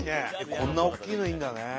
こんな大きいのいるんだね。